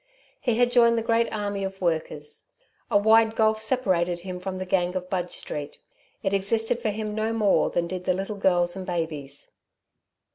He had joined the great army of workers. A wide gulf separated him from the gang of Budge Street. It existed for him no more than did the little girls and babies.